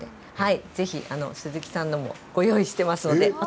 ぜひ鈴木さんのものもご用意していますので。